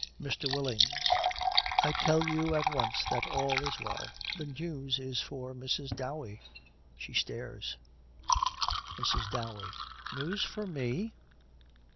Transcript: MR. WILLINGS. 'I tell you at once that all is well. The news is for Mrs. Dowey.' She stares. MRS. DOWEY. 'News for me?'